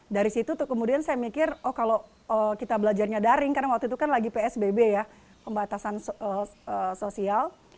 dari situ tuh kemudian saya mikir oh kalau kita belajarnya daring karena waktu itu kan lagi psbb ya pembatasan sosial